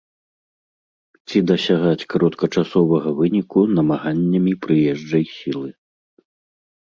Ці дасягаць кароткачасовага выніку намаганнямі прыезджай сілы.